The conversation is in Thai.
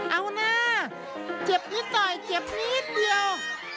เอานะเจ็บนิดหน่อยเจ็บนิดเดียว